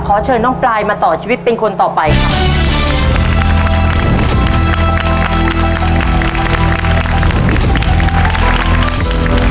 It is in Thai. เชิญน้องปลายมาต่อชีวิตเป็นคนต่อไปครับ